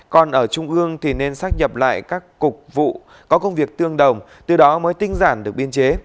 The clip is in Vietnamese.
còn ở trung ương thì nên xác nhập lại các cục vụ có công việc tương đồng từ đó mới tinh giản được biên chế